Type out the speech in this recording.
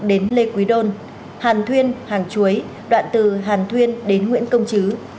đến lê quý đôn hàn thuyên hàng chuối đoạn từ hàn thuyên đến nguyễn công chứ